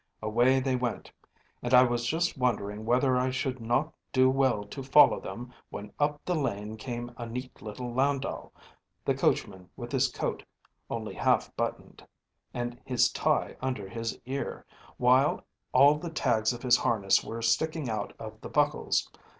’ “Away they went, and I was just wondering whether I should not do well to follow them when up the lane came a neat little landau, the coachman with his coat only half buttoned, and his tie under his ear, while all the tags of his harness were sticking out of the buckles.